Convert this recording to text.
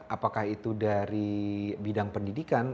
apakah itu dari bidang pendidikan